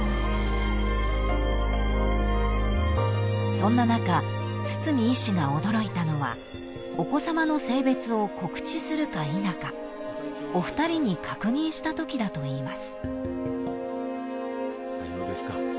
［そんな中堤医師が驚いたのはお子さまの性別を告知するか否かお二人に確認したときだといいます］